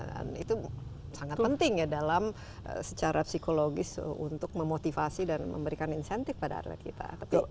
dan itu sangat penting ya dalam secara psikologis untuk memotivasi dan memberikan insentif pada adanya kita